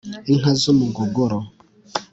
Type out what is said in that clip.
inka z’umugogoro